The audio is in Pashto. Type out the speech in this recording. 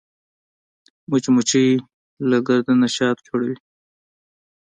مچمچۍ له ګرده نه شات جوړوي